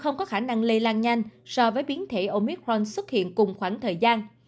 không có khả năng lây lan nhanh so với biến thể omitron xuất hiện cùng khoảng thời gian